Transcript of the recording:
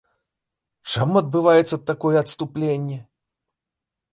Чаму адбываецца такое адступленне?